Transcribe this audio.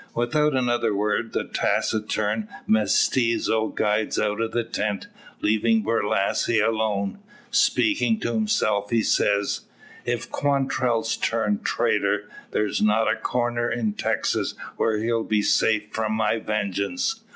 Without another word, the taciturn mestizo glides out of the tent, leaving Borlasse alone. Speaking to himself, he says: "If Quantrell's turned traitor, thar's not a corner in Texas whar he'll be safe from my vengeance.